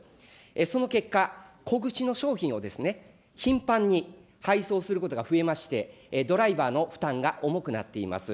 その結果、小口の商品を頻繁に配送することが増えまして、ドライバーの負担が重くなっています。